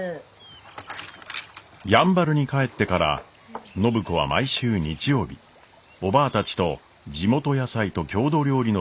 やんばるに帰ってから暢子は毎週日曜日おばぁたちと地元野菜と郷土料理の勉強会を開いています。